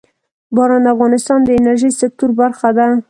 باران د افغانستان د انرژۍ سکتور برخه ده.